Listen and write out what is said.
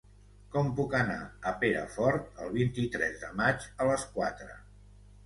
Com puc anar a Perafort el vint-i-tres de maig a les quatre?